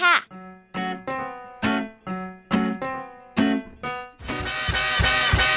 โปรดติดตามตอนต่อไป